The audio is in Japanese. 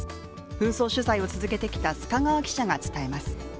紛争取材を続けてきた須賀川記者が伝えます。